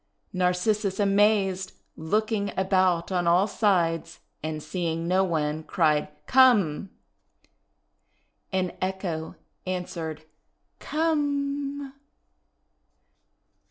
* Narcissus, amazed, looking about on all sides and seeing no one, cried, :'Come!5i And Echo answered, "Come!'